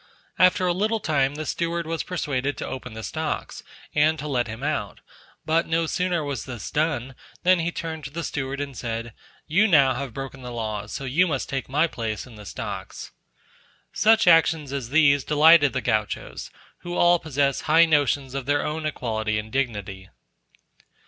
After a little time the steward was persuaded to open the stocks, and to let him out, but no sooner was this done, than he turned to the steward and said, "You now have broken the laws, so you must take my place in the stocks." Such actions as these delighted the Gauchos, who all possess high notions of their own equality and dignity.